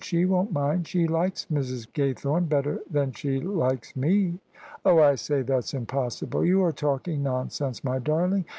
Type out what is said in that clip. She won't mind. She likes Mrs. Gaythome better than she likes me." " Oh, I say, that's impossible! You are talking nonsense^ my darling.